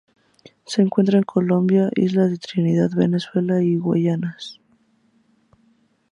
Se encuentra en Colombia, la isla Trinidad, Venezuela y las Guayanas.